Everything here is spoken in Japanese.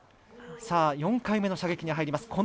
４回目の射撃に入ります。